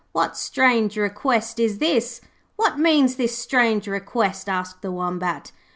'What strange request is this?' 'What means this strange request?' asked the Wombat.